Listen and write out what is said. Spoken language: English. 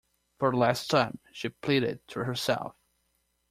"For the last time," she pleaded to herself.